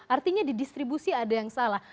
artinya di distribusi ada yang salah